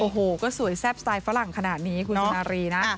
โอ้โหก็สวยแซ่บสไตล์ฝรั่งขนาดนี้คุณสุนารีนะ